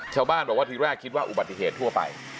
ชาวบ้านบอกว่าทีแรกคิดว่าอุบัติเหตุทั่วไป